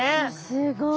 すごい！